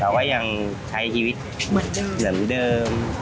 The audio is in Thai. แต่ว่ายังใช้ชีวิตเหมือนเดิม